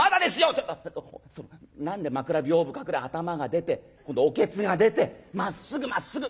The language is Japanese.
ちょっと何で枕屏風隠れ頭が出て今度おけつが出てまっすぐまっすぐ！